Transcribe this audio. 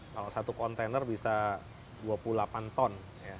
kalau satu kontainer bisa dua puluh delapan ton